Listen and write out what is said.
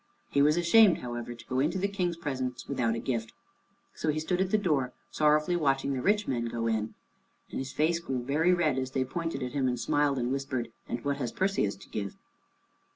He was ashamed, however, to go into the King's presence without a gift. So he stood at the door, sorrowfully watching the rich men go in, and his face grew very red as they pointed at him and smiled and whispered, "And what has Perseus to give?"